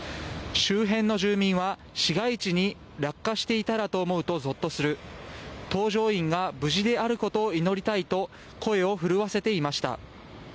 周辺の住民は市街地に落下していたらと思うとぞっとする搭乗員が無事であることを祈りたいと声を震わせていました。